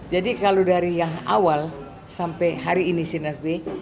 jadi kalau dari yang awal sampai hari ini sirnas b